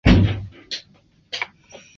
其子先且居继任晋中军元帅。